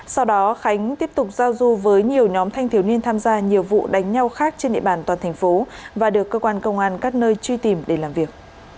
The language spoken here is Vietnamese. sau đó khánh tiếp tục giao du với nhiều nhóm thanh thiếu niên tham gia nhiều vụ đánh nhau khác trên địa bàn toàn thành phố và được cơ quan công an các nơi truy tìm để làm việc